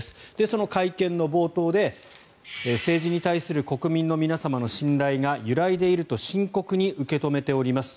その会見の冒頭で政治に対する国民の皆様の信頼が揺らいでいると深刻に受け止めております